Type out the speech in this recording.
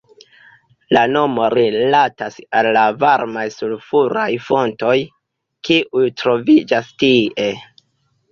La nomo rilatas al la varmaj sulfuraj fontoj, kiuj troviĝas tie.